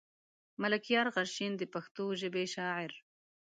ملکيار غرشين د پښتو ژبې شاعر.